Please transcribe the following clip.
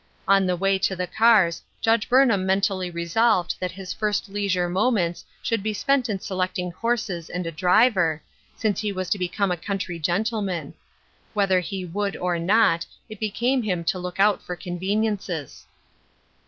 On the way to the cars Judge Burnham mentally resolved that his first leisure moments should be spent in selecting horses and a driver, since he was to become a country gen tleman. Whether he would or not, it became him to look out for conveniences.